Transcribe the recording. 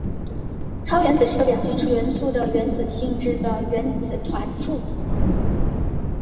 超原子是一个表现出元素的原子性质的原子团簇。